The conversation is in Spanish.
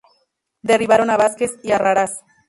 Derribaron a Vázquez y Arrarás.